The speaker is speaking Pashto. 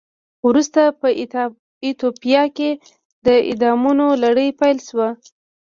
ورسته په ایتوپیا کې د اعدامونو لړۍ پیل شوه.